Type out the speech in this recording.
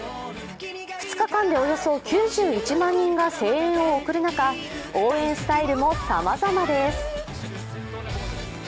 ２日間でおよそ９１万人が声援を送る中、応援スタイルもさまざまです。